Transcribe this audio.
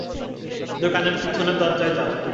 দোকানের পিছনে দরজায় যাও।